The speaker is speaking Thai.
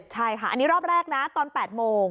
ใช่ค่ะอันนี้รอบแรกนะตอน๘โมง